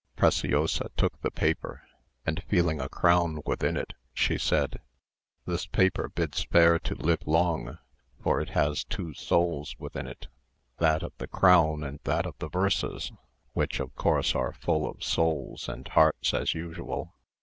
Preciosa took the paper, and feeling a crown within it, she said, "This paper bids fair to live long, for it has two souls within it, that of the crown and that of the verses, which, of course, are full of souls and hearts as usual.